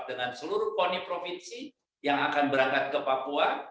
dengan seluruh koni provinsi yang akan berangkat ke papua